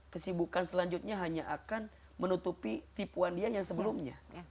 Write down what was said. kesibukan selanjutnya hanya akan menutupi tipuan dia yang sebelumnya